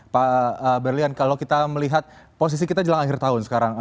pak berlian kalau kita melihat posisi kita jelang akhir tahun sekarang